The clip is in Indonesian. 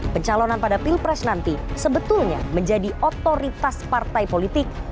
pencalonan pada pilpres nanti sebetulnya menjadi otoritas partai politik